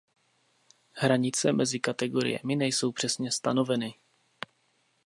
Hranice mezi kategoriemi nejsou přesně stanoveny.